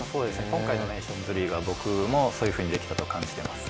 今回のネーションズリーグは僕もそういうふうにできたと感じています。